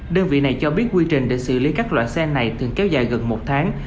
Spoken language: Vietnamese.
đơn vị này cho biết quy trình để xử lý các loại xe này thường kéo dài gần một tháng